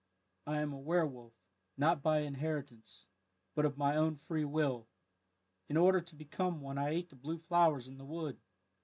I am a werwolf, not by inheritance, but of my own free will. In order to become one I ate the blue flowers in the wood.